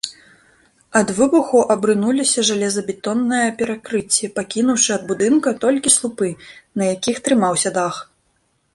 Ад выбуху абрынуліся жалезабетонныя перакрыцці, пакінуўшы ад будынка толькі слупы, на якіх трымаўся дах.